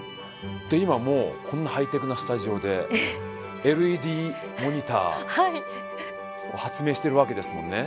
で今もうこんなハイテクなスタジオでＬＥＤモニター発明してるわけですもんね。